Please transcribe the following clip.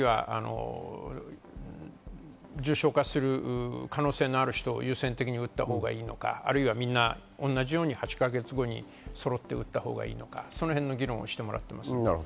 あるいは重症化する可能性のある人を優先的に打ったほうがいいのか、あるいはみんな同じ８か月後にそろって打ったほうがいいのか、その辺の議論をしてもらっています。